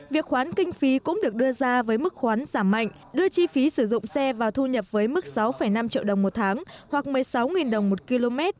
việc khoán kinh phí cũng được đưa ra với mức khoán giảm mạnh đưa chi phí sử dụng xe và thu nhập với mức sáu năm triệu đồng một tháng hoặc một mươi sáu đồng một km